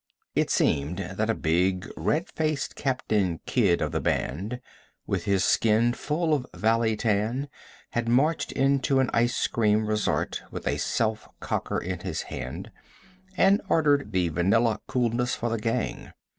It seemed that a big, red faced Captain Kidd of the band, with his skin full of valley tan, had marched into an ice cream resort with a self cocker in his hand, and ordered the vanilla coolness for the gang.